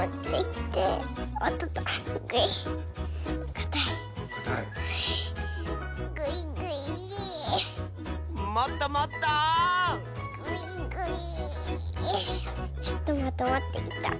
ちょっとまとまってきた。